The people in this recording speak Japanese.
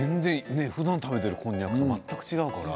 ふだん食べているこんにゃくと全く違うから。